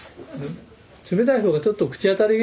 冷たい方がちょっと口当たりがいいから。